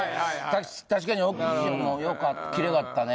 確かにオキシジェンもよかったキレがあったね